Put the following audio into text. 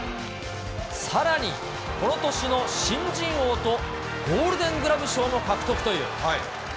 さらに、この年の新人王とゴールデン・グラブ賞も獲得という。